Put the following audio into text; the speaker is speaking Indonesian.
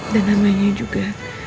dan namanya juga